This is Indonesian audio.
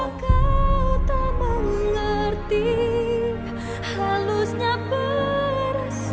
mengapa kau tak mengerti halusnya perasaanku